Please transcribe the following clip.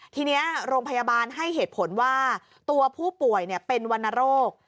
ทีนี้โรงพยาบาลให้เหตุผลว่าตัวผู้ป่วยเป็นวรรณโรค